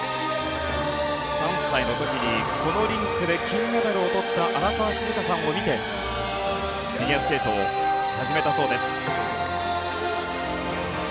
３歳の時にこのリンクで金メダルをとった荒川静香さんを見てフィギュアスケートを始めたそうです。